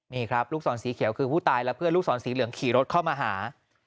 นี่ครับลูกศรสีเขียวคือผู้ตายและเพื่อนลูกศรสีเหลืองขี่รถเข้ามาหา